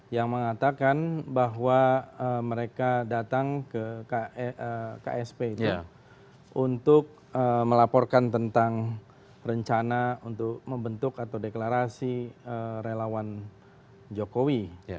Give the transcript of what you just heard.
yang mengatakan bahwa mereka datang ke ksp itu untuk melaporkan tentang rencana untuk membentuk atau deklarasi relawan jokowi